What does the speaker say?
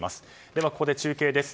では、ここで中継です。